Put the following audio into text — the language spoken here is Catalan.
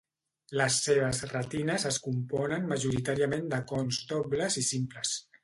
Les seves retines es componen majoritàriament de cons dobles i simples.